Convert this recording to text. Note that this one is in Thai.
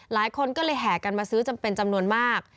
หลายคนก็เลยแห่กันมาซื้อจำเป็นจำนวนมาก